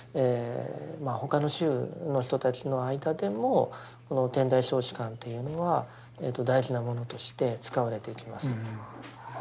他の宗の人たちの間でもこの「天台小止観」というのは大事なものとして使われていきます。